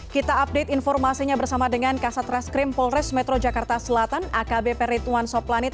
kita update informasinya bersama dengan kasat reskrim polres metro jakarta selatan akb per rituan soplanit